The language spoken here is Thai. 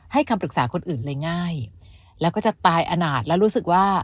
คำปรึกษาคนอื่นเลยง่ายแล้วก็จะตายอนาจแล้วรู้สึกว่า